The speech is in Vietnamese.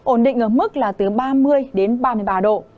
ổn định ở mức là từ ba mươi đến ba mươi ba độ